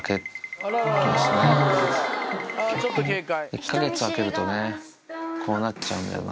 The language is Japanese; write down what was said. １か月空けるとね、こうなっちゃうんだよな。